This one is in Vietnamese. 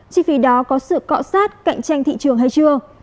chi phí đó có sự cọ sát cạnh tranh thị trường hay chưa